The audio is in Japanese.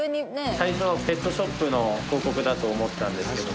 最初はペットショップの広告だと思ったんですけども。